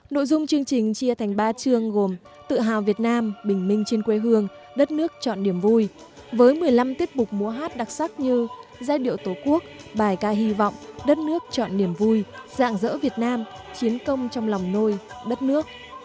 nội dung chương trình chia thành ba chương gồm tự hào việt nam bình minh trên quê hương đất nước chọn niềm vui với một mươi năm tiết mục múa hát đặc sắc như giai điệu tổ quốc bài ca hy vọng đất nước chọn niềm vui dạng dỡ việt nam chiến công trong lòng nôi đất nước